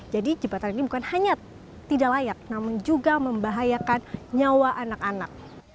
jadi jembatan ini bukan hanya tidak layak namun juga membahayakan nyawa anak anak